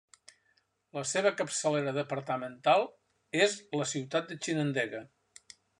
La seva capçalera departamental és la ciutat de Chinandega.